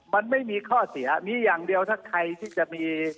มันไม่มีข้อเสียมีอย่างเดียวถ้าใครที่จะมี